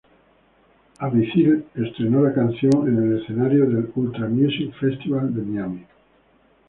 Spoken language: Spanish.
Avicii estrenó la canción en el escenario del Ultra Music Festival de Miami.